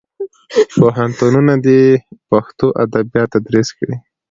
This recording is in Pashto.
پوهنتونونه دې پښتو ادبیات تدریس کړي.